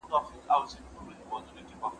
زه کولای سم کتابتون ته ولاړ سم!